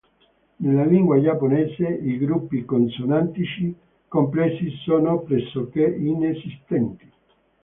Nella lingua giapponese i gruppi consonantici complessi sono pressoché inesistenti.